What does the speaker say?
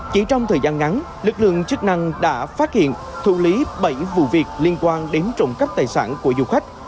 chỉ trong thời gian ngắn lực lượng chức năng đã phát hiện thủ lý bảy vụ việc liên quan đến trộm cắp tài sản của du khách